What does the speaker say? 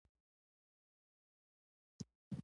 هغه کلکه میله چې د محور په چاپیره وڅرخیږي رافعه نومیږي.